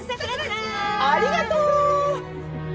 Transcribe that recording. ありがとう！